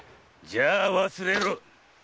じゃあ忘れろ！